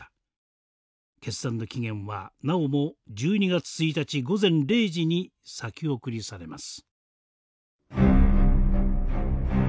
決断の期限はなおも１２月１日午前０時に先送りされます。